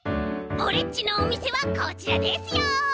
オレっちのおみせはこちらですよ。